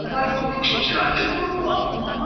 一個語音庫如果冇核突嘢點算全面